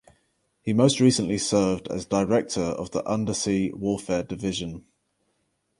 He most recently served as Director of the Undersea Warfare Division.